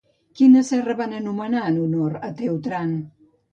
Quina serra van anomenar en honor Teutrant?